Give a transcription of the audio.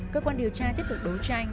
cơ quan điều tra tiếp tục đối tranh